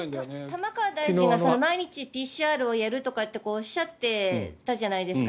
丸川大臣は毎日ＰＣＲをやるっておっしゃってたじゃないですか。